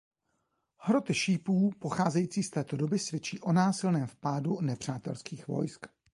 Hroty šípů pocházející z této doby svědčí o násilném vpádu nepřátelských vojsk.